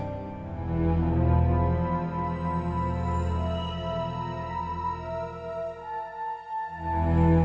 tidak ada yang bisa diberikan